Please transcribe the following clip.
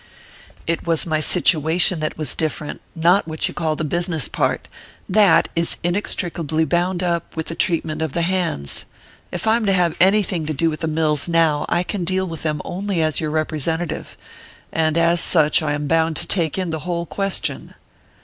"It was my situation that was different; not what you call the business part. That is inextricably bound up with the treatment of the hands. If I am to have anything to do with the mills now I can deal with them only as your representative; and as such I am bound to take in the whole question."